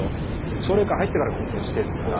奨励会入ってからが本当の師弟ですから。